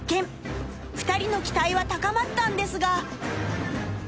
［２人の期待は高まったんですが］